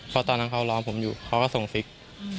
เพราะตอนนั้นเขาร้องผมอยู่เขาก็ส่งซิก